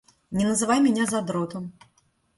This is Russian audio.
Не называй меня задротом!